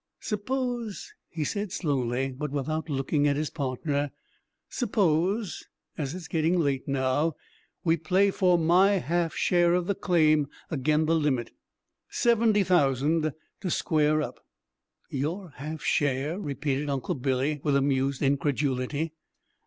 "Suppose," he said slowly, but without looking at his partner, "suppose, as it's gettin' late now, we play for my half share of the claim agin the limit seventy thousand to square up." "Your half share!" repeated Uncle Billy, with amused incredulity.